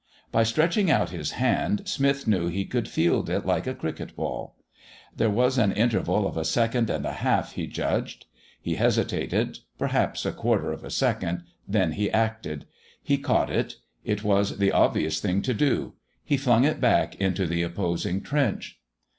By stretching out his hand, Smith knew he could field it like a cricket ball. There was an interval of a second and a half, he judged. He hesitated perhaps a quarter of a second then he acted. He caught it. It was the obvious thing to do. He flung it back into the opposing trench.